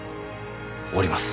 おります。